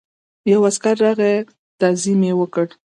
یو عسکر راغی تعظیم یې وکړ.